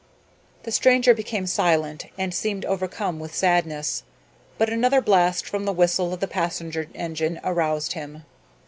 The stranger became silent and seemed overcome with sadness, but another blast from the whistle of the passenger engine aroused him.